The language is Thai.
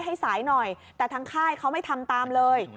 ให้สายหน่อยแต่ทางค่ายเขาไม่ทำตามเลย